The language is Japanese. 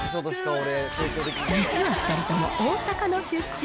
実は２人とも大阪の出身。